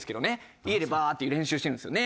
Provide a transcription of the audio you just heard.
家でバーッて言う練習してるんですよね。